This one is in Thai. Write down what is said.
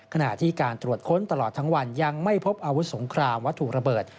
ขณะที่การตรวจค้นตลอดทั้งวันยังไม่พบอาวุธสงครามวัตถุระเบิด